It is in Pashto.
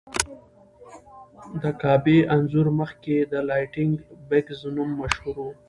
د کعبې انځور مخکې د لایټننګ بګز نوم مشهور و.